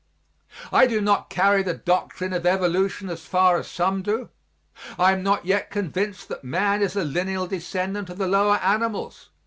I do not carry the doctrine of evolution as far as some do; I am not yet convinced that man is a lineal descendant of the lower animals.